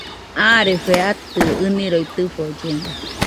Arefe atɨ ɨniroi tɨfollena